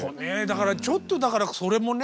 ちょっとだからそれもね